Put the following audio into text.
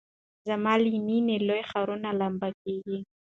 زما له میني لوی ښارونه لمبه کیږي